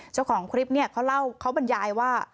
เจ้าของคลิปเนี่ยเขาเล่าเขาบรรยายว่า